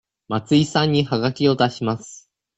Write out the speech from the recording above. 松井さんにはがきを出します。